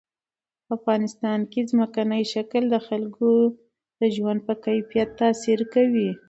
په افغانستان کې ځمکنی شکل د خلکو د ژوند په کیفیت تاثیر کوي.